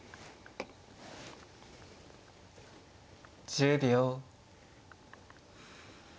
１０秒。